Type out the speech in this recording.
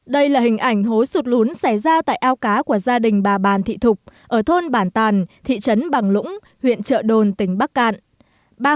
đây là hình ảnh hố sụt lún xảy ra tại ao cá của gia đình bà bàn thị thục ở thôn bản tàn thị trấn bằng lũng huyện trợ đồn tỉnh bắc cạn